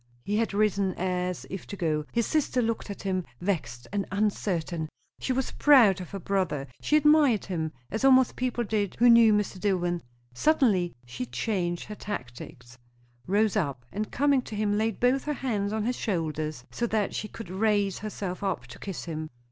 He had risen, as if to go. His sister looked at him, vexed and uncertain. She was proud of her brother, she admired him, as almost people did who knew Mr. Dillwyn. Suddenly she changed her tactics; rose up, and coming to him laid both her hands on his shoulders so that she could raise herself up to kiss him.